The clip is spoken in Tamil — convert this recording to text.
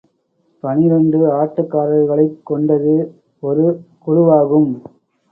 பனிரண்டு ஆட்டக்காரர்களைக் கொண்டது ஒரு குழுவாகும்.